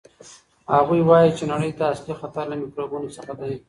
هغوی وایي چې نړۍ ته اصلي خطر له میکروبونو څخه دی.